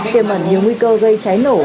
tiêm ẩn nhiều nguy cơ gây cháy nổ